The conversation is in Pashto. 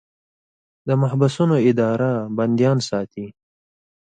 د محبسونو اداره بندیان ساتي